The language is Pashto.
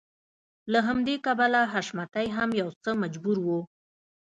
له همدې کبله حشمتی هم يو څه مجبور و.